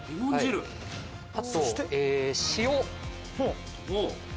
塩？